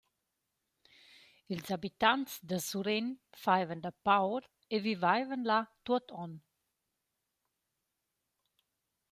Ils abitants da Sur En faivan da paur e vivaivan là tuot on.